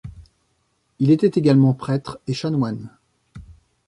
Il était également prêtre et chanoine.